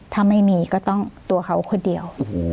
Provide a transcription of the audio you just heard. ถ้าไม่มีก็ต้องตัวเขาคนเดียว